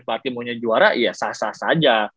pp arti maunya juara ya sah sah saja